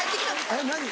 えっ何？